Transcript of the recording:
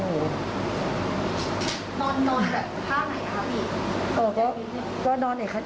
นอนแบบท่าไหนครับ